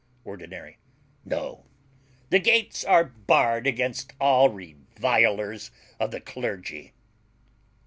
ORDINARY. No: the gates are barred against all revilers of the clergy.